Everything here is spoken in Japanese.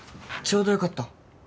ちょうどよかった。